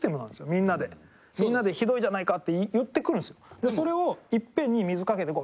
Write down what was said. みんなで「ひどいじゃないか！」って言ってくるんですよ。